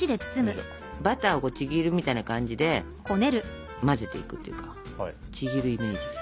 バターをちぎるみたいな感じで混ぜていくというかちぎるイメージで。